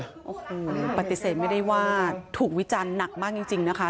โอ้โหปฏิเสธไม่ได้ว่าถูกวิจารณ์หนักมากจริงนะคะ